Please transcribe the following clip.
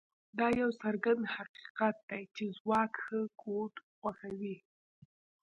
دا یو څرګند حقیقت دی چې ځواک ښه کوډ خوښوي